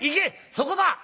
そこだ！